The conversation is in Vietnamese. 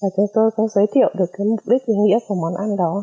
chúng tôi cũng giới thiệu được mục đích ý nghĩa của món ăn đó